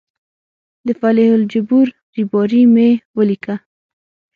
د فلیح الجبور ریباري مې ولیکه.